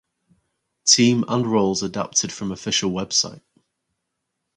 Team and roles adapted from official website.